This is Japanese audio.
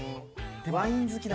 ワイン好きだ！